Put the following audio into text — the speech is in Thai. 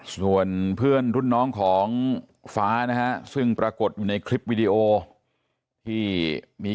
ส่วนเพื่อนรุ่นน้องของฟ้านะฮะซึ่งปรากฏอยู่ในคลิปวิดีโอที่มี